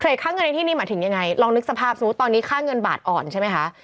ค่าเงินในที่นี้หมายถึงยังไงลองนึกสภาพสมมุติตอนนี้ค่าเงินบาทอ่อนใช่ไหมคะ